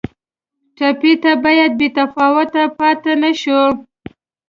ټپي ته باید بې تفاوته پاتې نه شو.